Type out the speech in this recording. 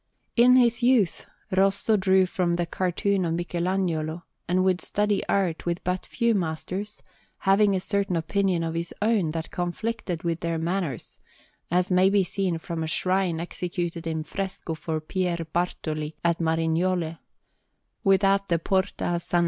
In his youth, Rosso drew from the cartoon of Michelagnolo, and would study art with but few masters, having a certain opinion of his own that conflicted with their manners; as may be seen from a shrine executed in fresco for Piero Bartoli at Marignolle, without the Porta a S.